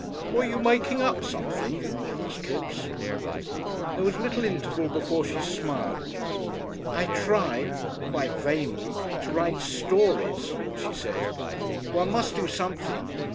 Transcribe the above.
"Were you making up something?" asked Kipps. There was a little interval before she smiled. "I try quite vainly to write stories," she said. "One must do something.